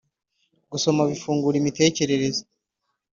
Gusoma bifungura imitekerereze